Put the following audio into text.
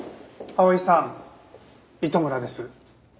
碧さん糸村です。